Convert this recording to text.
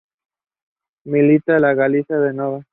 Milita en Galiza Nova.